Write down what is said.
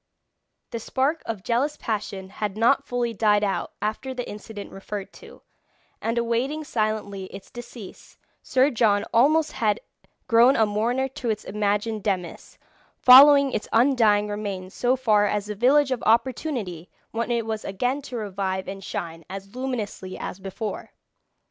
The spark of jealous passion had not fully died out after the incident referred to, and awaiting silently its decease, Sir John almost had grown a mourner to its imagined demise, following its undying remains so far as the village of Opportunity, when it was again to revive and shine as luminously as before.